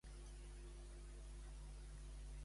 Té servei a domicili el meu Vivari preferit?